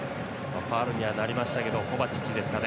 ファウルがありましたけどコバチッチですかね。